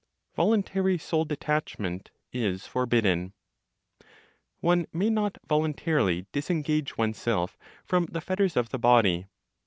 VOLUNTARY SOUL DETACHMENT IS FORBIDDEN. One may not voluntarily disengage oneself from the fetters of the body.